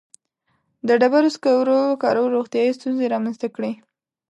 • د ډبرو سکرو کارولو روغتیایي ستونزې رامنځته کړې.